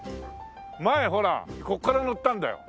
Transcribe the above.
前ほらここから乗ったんだよ